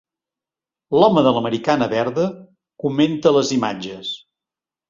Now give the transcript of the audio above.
L'home de l'americana verda comenta les imatges.